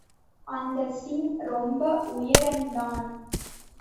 அந்த சிங் ரொம்ப உயரந்தான்.